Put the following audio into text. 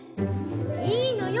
いいのよ